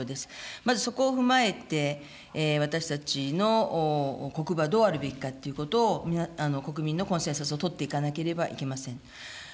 まずそこを踏まえて、私たちの国防はどうあるべきかということを、国民のコンセンサスを取っていかなければいけません。